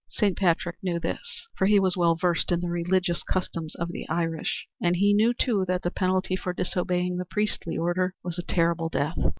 Saint Patrick knew this, for he was well versed in the religious customs of the Irish, and he knew, too, that the penalty for disobeying the priestly order was a terrible death.